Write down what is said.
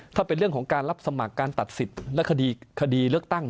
ถ้าเป็นเรื่องของการรับสมัครการตัดสิทธิ์และคดีเลือกตั้ง